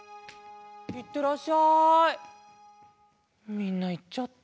みんないっちゃった。